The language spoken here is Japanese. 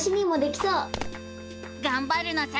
がんばるのさ！